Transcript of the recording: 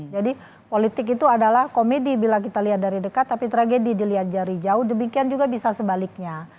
jadi politik itu adalah komedi bila kita lihat dari dekat tapi tragedi dilihat dari jauh demikian juga bisa sebaliknya